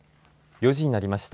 ４時になりました。